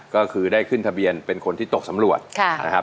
ก็คือได้ขึ้นทะเบียนเป็นคนที่ตกสำรวจนะครับ